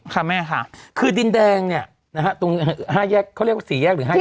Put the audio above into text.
ค่ะแม่ค่ะคือดินแดงเนี่ยนะฮะตรง๕แยกเขาเรียกว่า๔แยกหรือ๕แยก